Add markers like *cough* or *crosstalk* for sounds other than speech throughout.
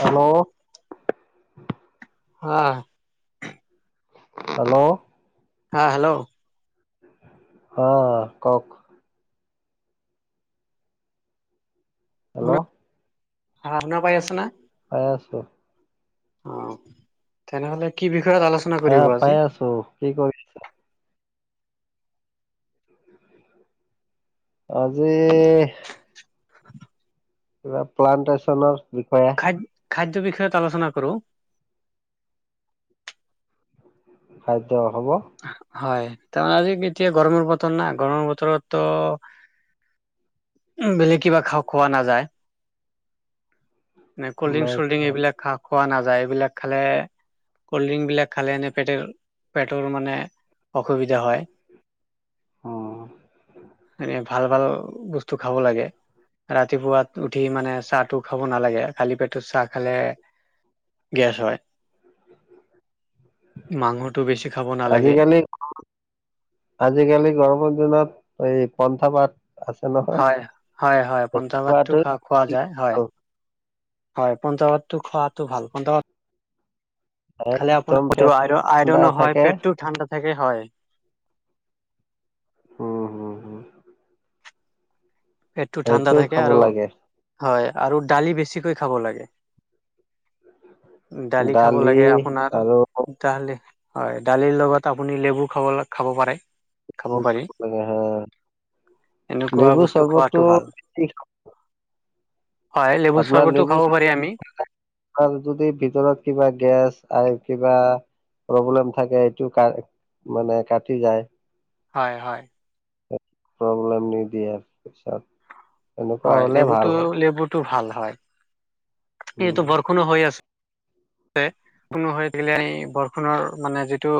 Hello! হা। Hello. হা, hello. অ, কওক? হেল্ল'? শুনা হা, শুনা পাই আছা না? পাই আছো। অ, তেনেহলে কি বিষয়ত আলো আহ, পাই আছো। কি কৰি আজি কিবা প্লানটেশচনৰ বিষয়ে। *unintelligible* খাদ্য বিষয়ত আলোচনা কৰোঁ? খাদ্য হ'ব। হয়, *unintelligible* এতিয়া গৰমৰ বতৰ না? গৰমৰ বতৰত ত' উম, বেলেগ কিবা খাওঁ খোৱা নাযায়। নাই, কল্ড ড্ৰিং চল্ড ড্ৰিং এইবিলাক খা খোৱা নাযায়। এইবিলাক খালে ক'ল্ড ড্ৰিংকবিলাক খালে এনে পে পেটৰ মানে অসুবিধা হয়। উম *unintelligible* ভাল ভাল বস্তু খাব লাগে। ৰাতিপোৱা উঠি মানে চাহটো খাব নালাগে। খালি পেটত চাহ খালে গেছ হয়। মাংসটো বেছি খাব নালাগে। আজিকালি আজিকালি গৰমৰ দিনত এই পন্থা পা হয়, হয়, হয়। পঞ্চভাতটো খোৱাটো খাওক। খোৱা যায়। হয়, হয়। পঞ্চাভাতটো খোৱাটো ভাল। প খালে আপোনা একদম পেট আইৰ ঠাণ্ডা আইৰনো হয়, থাকে পেটটো ঠাণ্ডা থাকে হয়। উম, হুম, হুম। পেটটো ঠাণ্ডা সেইটো থাকে খাব আৰু লাগে হয় আৰু দালি বেছিকৈ খাব লাগে। দালি খাব লাগে আপোনাৰ। *unintelligible* আৰু হয়, দালিৰ লগত আপুনি লেবু খাবলে খাব পাৰে। খাব পাৰি। লাগে হা এনেকুৱা লেবু বস্তু চৰ্বতটো খোৱাটো ভাল। হয়, লেবু চৰ্বতো খাব পাৰি আমি। আৰু যদি ভিতৰত কিবা গেছ আৰে কিবা প্ৰব্লেম থাকে, এইটো কা মানে কাটি যায়। হয় হয়। প্ৰব্লেম নিদিয়ে পিছত। এনেকুৱা হলে ভাল হয়। টো ভাল হয়। উম, সি--বৰষুণো হৈ আ। কোনো *unintelligible* বৰষুণৰ মানে যিটো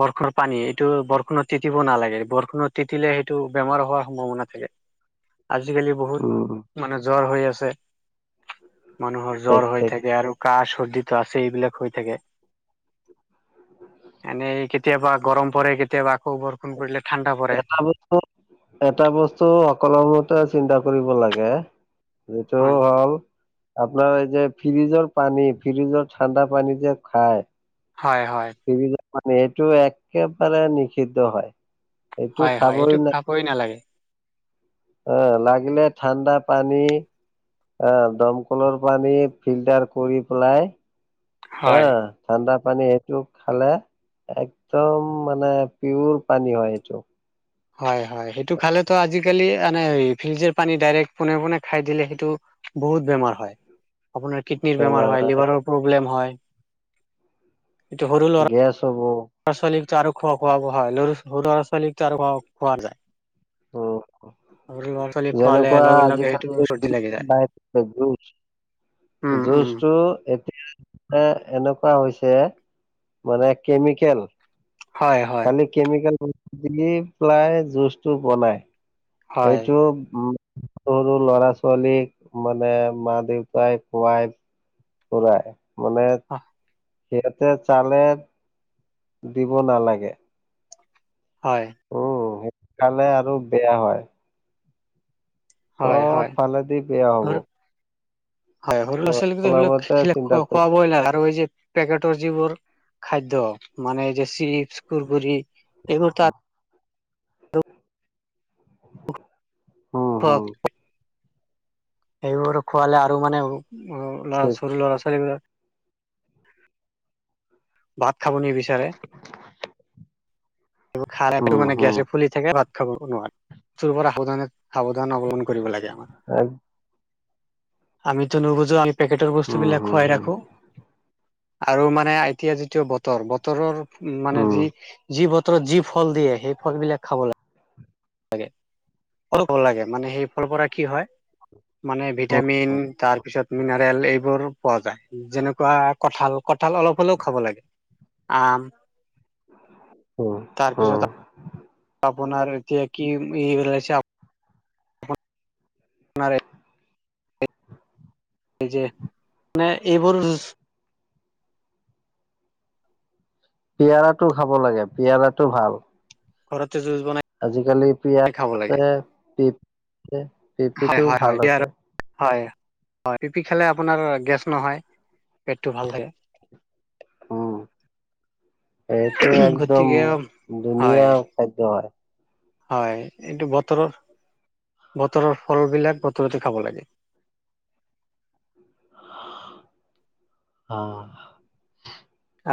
বৰষুণৰ পানী এইটো, বৰষুণত তিতিব নালাগে। বৰষুণত তিটিলে সেইটো বেমাৰ হোৱাৰ সম্ভাৱনা থাকে। *inaudible* আজিকালি বহুত উম, মানে জ্বৰ হৈ আছে। মানুহৰ ঠিক জ্বৰ হৈ ঠিক থাকে আৰু কাহ চৰ্দিটো আছে, এইবিলাক হৈ থাকে। এনেই কেতিয়াবা গৰম পৰে, কেতিয়াবা আকৌ বৰষুণ পৰিলে ঠাণ্ডা পৰে। এটা বচ এটা বস্তু অকল মতে চিন্তা কৰিব লাগে। এইটো হয় ভাল। আপোনাৰ এই যে ফ্ৰিজৰ পানী ফ্ৰিজৰ ঠাণ্ডা পানী যে খায় হয় হয়। মানে এইটো একেবাৰে নিষিদ্ধ হয়। এইটো হয় হয়, এইটো না খাবই নালাগে। অ' লাগিলে ঠাণ্ডা পানী আহ দমকলৰ পানী ফিল্টাৰ কৰি পেলাই হা হয় ঠাণ্ডা পানী সেইটো খালে একদম মানে পিয়ৰ পানী হয় সেইটো। হয় হয়, সেইটো খালেতো আজিকালি এনে ফ্ৰিজৰ পানী ডাইৰেক্ট পোনে পোনে খাই দিলে সেইটো বহুত বেমাৰ হয়। আপোনাৰ কিডনিৰ বেমাৰ হয় লিভাৰৰ প্ৰব্লেম হয়। ল'ৰা গেছ হ'ব। ল'ৰা ছোৱালীক আৰু খোৱা খোৱা হয়, লৰা ছোৱালীকো আৰু খোৱা যায়। অ'। সৰু ল'ৰা ছোৱালী খোৱালে যেনেকুৱা লগে লগে সেইটো আজিকালি চৰ্দি লাগি যায় *unintelligible* উম উম জুচটো এতিয়া এ এনেকুৱা হৈছে মানে কেমিকেল হয় হয়। খালি কেমিকেল দি পেলাই জুচটো বনাই, হয়। সেইটো সৰু ল'ৰা ছোৱালীক মানে মা দেউতাই খুৱাই কৰাই মানে অ'। সিহঁতে চালে দিব নালাগে। হয়। উম, সেইটো খালে আৰু বেয়া হয়। হয় চব হয় ফালে দি বেয়া হ'ব। সৰু হয় সৰু ত ল'ৰা ছোৱালীকো আপোনাৰ সেইবিলাক মতে খিলে চিন্তা কৰি খুৱাবই নালাগে, আৰু এই যে পেকেটৰ যিবোৰ খাদ্য মানে এই যে চিপচ কুৰকৰি এইবোৰ তাত অ' হ'। খুৱাওক সেইবোৰ খোৱালে আৰু মানে ল'ৰা ঠিক সৰু ল'ৰা ছোৱালীবিলাক ভাত খাব নিবিচাৰে। সেইবোৰ খালে হম মানে হম গেছে ফুলি থাকে ভাত খাব নোৱাৰে। বস্তুৰ পৰা সাবধানে সাৱধান অৱলম্বন কৰিব লাগে। হম আমিটো নুবুজো পেকেটৰ বস্তুবিলাক হম খুৱাই হম ৰাখো আৰু মানে এতিয়া যিটো বতৰ বতৰৰ উম, মানে যি যি বতৰত যি ফল দিয়ে সেই ফল বিলাক খাব লাগে। অলপ ভাল লাগে মানে সেই ফলৰ পৰা কি হয়, মানে ভিটামিন তাৰপিছত, মিনাৰেল এইবোৰ পোৱা যায়, যেনেকুৱা কঁঠাল কঁঠাল অলপ হ'লেও খাব লাগে। আম। উম। উম তাৰপিছত আপোনাৰ এতিয়া কি এই *unintelligible* এই যে মানে এইবোৰ পিয়াৰটো খাব লাগে পিয়াৰটো ভাল। ঘৰতে জুচ বনাই আজিকালি *unintelligible* খাব আছে লাগে পিপি আ পিপি হয় টোও হয় ভাল হয় আছে। হয়, হয়, পিপি খালে আপোনাৰ গেছ নহয়। পেটটো ভাল থাকে। উম, এইটো একদম গতিকে হয় ধুনীয়া খাদ্য হয়। হয়, এইটো বতৰৰ- বতৰৰ ফল বিলাক বতৰতে খাব লাগে। অ'।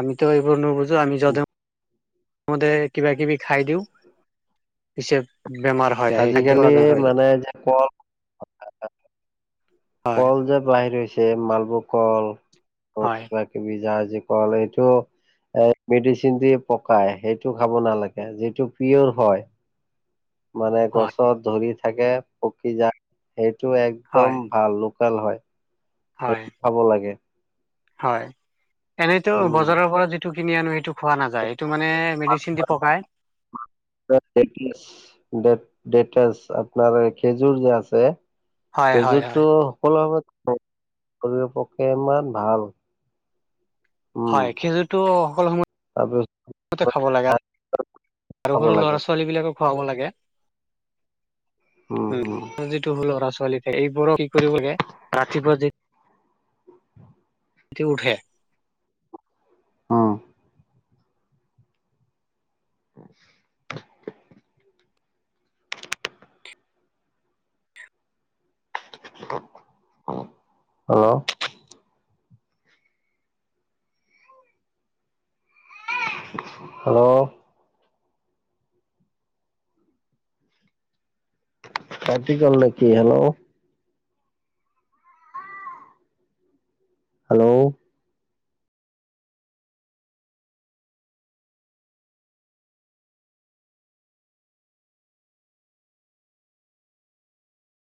আমিতো এইবোৰ নুবুজো আমি জধে মধে, কিবা কিবি খাই দিওঁ পিচত বেমাৰ হয়, যায় সেই খাদ্যয় আজিকালি বেমাৰ হৈ যায়। মানে যে ক হয় কল যে বাহিৰ হৈছে মালভোগ কল হয়। কিবা জাহাজী কল এইটো এ' মেডিচিন দি পকাই সেইটো খাব নালাগে, যিটো পিয়ৰ হয় মানে হয় গছত ধৰি থাকে পকি যায় সেইটো হয় একদম ভাল লোকেল হয়। হয়। সেইটো খাব লাগে। হয়, এনেইতো উম বজাৰৰ পৰা যিটো কিনি আনো সেইটো খোৱা নাযায় এইটো মানে মেডিচিন দি পকাই *inaudible* ড- ডেটাচ আপোনাৰ খেজুৰ যে আছে। হয় হয় হয় খেইযোৰটো সকলো সম কৰিব পকে ইমান ভাল *inaudible* উম হয়, খেজুৰতটো সকলো তাৰপিছত সময় খাব লাগে। আৰু খাব সৰু লাগে ল'ৰা - ছোৱালী বিলাকক খুৱাব লাগে। উম, যিটো ল'ৰা - ছোৱালী এইবোৰক কি কৰিব লাগে ৰাতিপুৱা যি এতি উঠে *inaudible* অঁ। *inaudible* হেল্ল'। হেল্ল'। কাতি গ'ল নেকি হেল্ল'? হেল্ল'।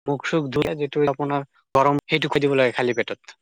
মুখ- চুখ ধুৱাই যিটো আপোনাৰ গৰম সেইটো খেজুৰ খাই দিব লাগে খালী পেটত।